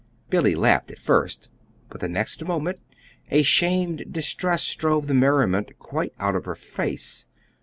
Billy laughed at first, but the next moment a shamed distress drove the merriment quite out of her face.